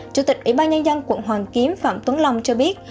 chủ tịch ủy ban nhân dân quận hoàn kiếm phạm tuấn long cho biết